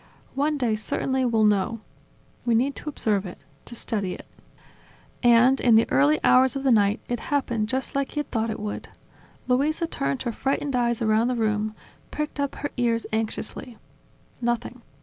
One day, certainly, we'll know. We need to observe it, to study it." And, in the early hours of the night, it happened just like he had thought it would. Luisa turned her frightened eyes around the room, pricked up her ears anxiously ... Nothing.